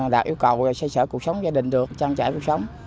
đạt yêu cầu về xây sở cuộc sống gia đình được trang trải cuộc sống